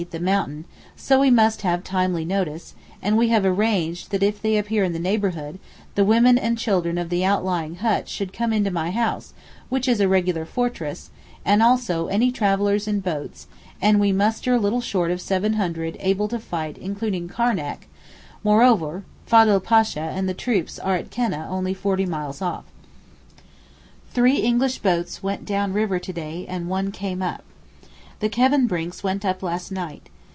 _ the mountain, so we must have timely notice, and we have arranged that if they appear in the neighbourhood the women and children of the outlying huts should come into my house which is a regular fortress, and also any travellers in boats, and we muster little short of seven hundred men able to fight including Karnac, moreover Fodl Pasha and the troops are at Keneh only forty miles off. Three English boats went down river to day and one came up. The Kevenbrincks went up last night.